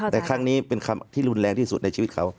แต่ครั้งนี้เป็นคำที่รุนแรงที่สุดในชีวิตเขา